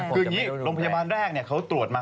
คืออย่างนี้โรงพยาบาลแรกเขาตรวจมา